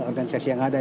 organisasi yang ada